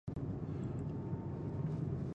او د کور خاوند ته وایي کور ساته په پښتو ژبه.